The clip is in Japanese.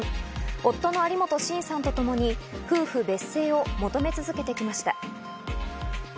夫の有本信さんとともに夫婦別姓を求め続けてきました。